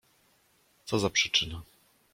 "Co za przyczyna?"